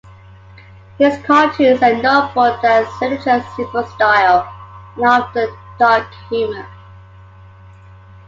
His cartoons are known for their signature simple style and often dark humor.